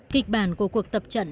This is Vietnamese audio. kịch bản của cuộc tập trận